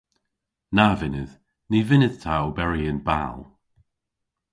Na vynnydh. Ny vynn'ta oberi y'n bal.